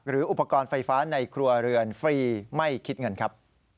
อุปกรณ์ไฟฟ้าในครัวเรือนฟรีไม่คิดเงินครับ